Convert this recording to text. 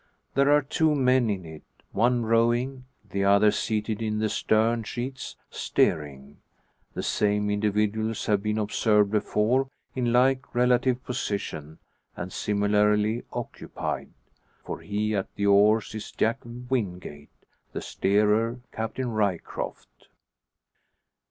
There are two men in it; one rowing, the other seated in the stern sheets, steering. The same individuals have been observed before in like relative position and similarly occupied. For he at the oars is Jack Wingate, the steerer Captain Ryecroft.